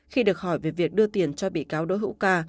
khi được hỏi về việc đưa tiền cho bị cáo đỗ hữu ca